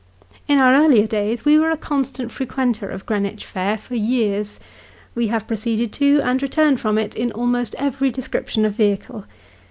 In our earlier days, we were a constant frequenter of Greenwich Fair, for years. Wo have proceeded to, and returned from it, in almost every description of vehicle.